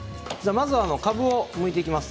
まずはかぶをむいていきます。